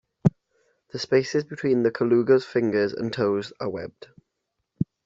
The spaces between the colugo's fingers and toes are webbed.